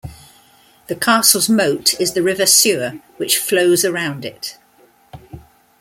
The castle's moat is the River Suir which flows around it.